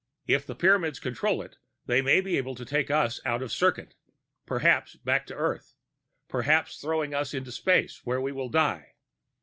If the Pyramids control it, they may be able to take us out of circuit, perhaps back to Earth, perhaps throwing us into space, where we will die.